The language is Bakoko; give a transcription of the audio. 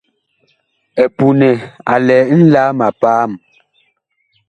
EPUNƐ a lɛ nlaam a paam.